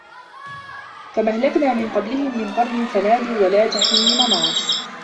كَم أَهلَكنا مِن قَبلِهِم مِن قَرنٍ فَنادَوا وَلاتَ حينَ مَناصٍ